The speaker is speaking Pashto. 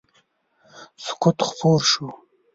سکوت خپور شو.